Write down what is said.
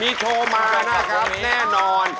มีโทรมานะครับแน่นอน